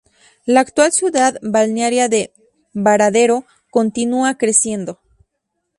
La actual ciudad balnearia de Varadero continúa creciendo.